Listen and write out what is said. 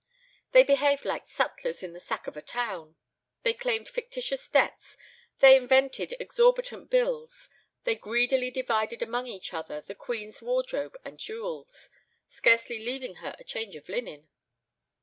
They behaved like sutlers at the sack of a town. They claimed fictitious debts; they invented exorbitant bills; they greedily divided among each other the queen's wardrobe and jewels, scarcely leaving her a change of linen.